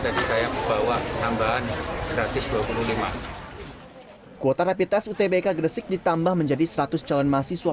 tadi saya bawa tambahan gratis dua puluh lima kuota rapid test utbk gresik ditambah menjadi seratus calon mahasiswa